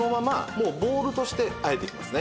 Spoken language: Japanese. もうボールとしてあえていきますね。